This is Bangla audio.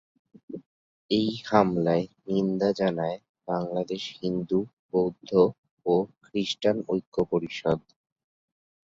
এই হামলায় নিন্দা জানায় বাংলাদেশ হিন্দু, বৌদ্ধ ও খ্রিষ্টান ঐক্য পরিষদ।